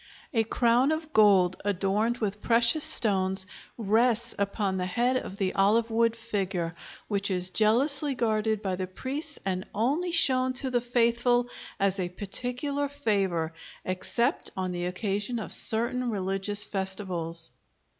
A crown of gold adorned with precious stones rests upon the head of the olive wood figure, which is jealously guarded by the priests and only shown to the faithful as a particular favor, except on the occasion of certain religious festivals.